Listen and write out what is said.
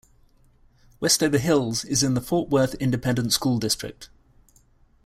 Westover Hills is in the Fort Worth Independent School District.